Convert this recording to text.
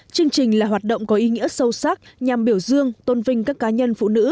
chương trình là hoạt động có ý nghĩa sâu sắc nhằm biểu dương tôn vinh các cá nhân phụ nữ